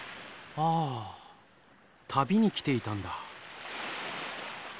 ああ旅に来ていたんだ。